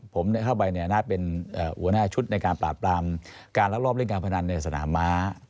ผมเข้าไปในอำนาจเป็นหัวหน้าชุดในการปราบปรามการลักลอบเล่นการพนันในสนามม้า